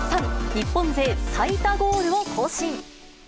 日本勢最多ゴールを更新。